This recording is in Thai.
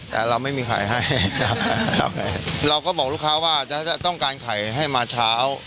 แต่เราไม่มีไข่ให้เราก็บอกลูกค้าว่าจะต้องการไข่ให้มาเช้า